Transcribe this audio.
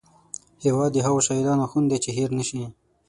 هیواد د هغو شهیدانو خون دی چې هېر نه شي